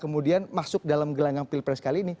kemudian masuk dalam gelanggang pilpres kali ini